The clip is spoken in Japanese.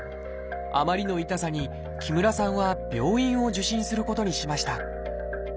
あまりの痛さに木村さんは病院を受診することにしました。